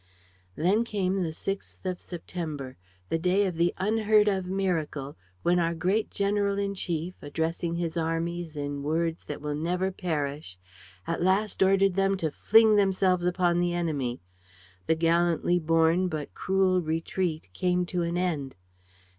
Then came the 6th of September, the day of the unheard of miracle when our great general in chief, addressing his armies in words that will never perish, at last ordered them to fling themselves upon the enemy. The gallantly borne but cruel retreat came to an end.